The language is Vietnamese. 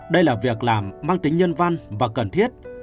đây là việc làm mang tính nhân văn và cần thiết